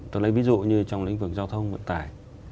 tôi lấy ví dụ như trong lĩnh vực giao thông vận tải